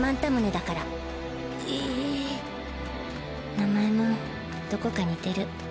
名前もどこか似てる。